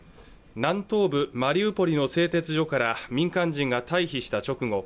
南東部マリウポリの製鉄所から民間人が退避した直後